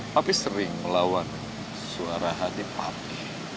pak pi sering melawan suara hati pak pi